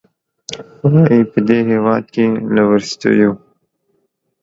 وايي، په دې هېواد کې له وروستیو